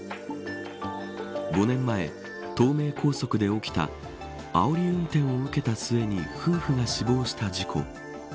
５年前、東名高速で起きたあおり運転を受けた末に夫婦が死亡した事故。